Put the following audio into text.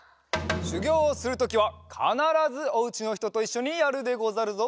しゅぎょうをするときはかならずおうちのひとといっしょにやるでござるぞ。